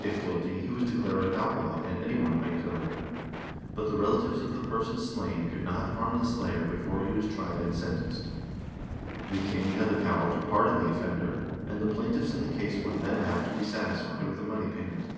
If guilty he was declared an out law, and any one might kill him ; but the relatives of the person slain could not harm the slayer before he was tried and sentenced. The king had the power to pardon the offender, and the plaintiffs in the case would then have~tcTb~e satisfied with a money payment.